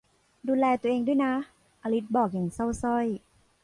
ดูแลตัวเองด้วยนะ อลิซบอกอย่างเศร้าสร้อย